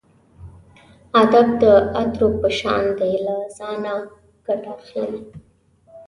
ادب د عطرو په شان دی له ځانه ګټه اخلئ.